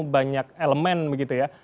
banyak elemen begitu ya